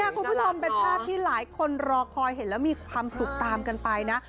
คุณผู้ชมเป็นภาพที่หลายคนรอคอยเห็นแล้วมีความสุขตามกันไปนะ